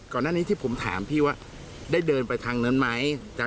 ก่อนหน้านี้ที่ผมถามพี่ว่าได้เดินไปทางนั้นไหม